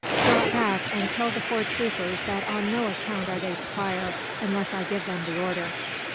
"Drop back, and tell the four troopers that on no account are they to fire, unless I give them the order."